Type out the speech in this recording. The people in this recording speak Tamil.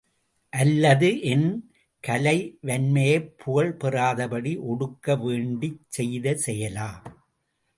அல்லது என் கலைவன்மையைப் புகழ் பெறாதபடி ஒடுக்க வேண்டிச் செய்த செயலா?